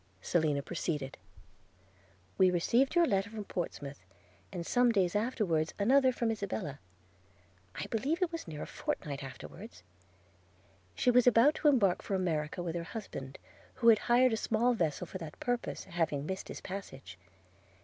Selina proceeded. 'We received your letter from Portsmouth, and some days afterwards another from Isabella – I believe it was near a fortnight afterwards – She was about to embark for America with her husband, who had hired a small vessel for that purpose, having missed his passage.